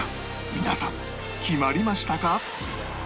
皆さん決まりましたか？